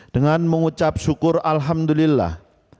dengan mengucap syukur alhamdulillah